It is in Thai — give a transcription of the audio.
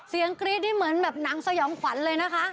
เสียงคลี๊ดนี่เหมือนสยองควันเลยนะคะ